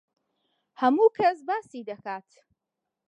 هەموو کەس باسی دەکات.